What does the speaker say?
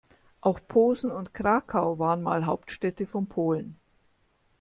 Auch Posen und Krakau waren mal Hauptstädte von Polen.